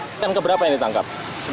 dan keberapa yang ditangkap